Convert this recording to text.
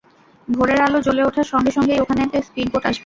ভোরের আলো জ্বলে ওঠার সঙ্গে সঙ্গেই ওখানে একটা স্পিড বোট আসবে।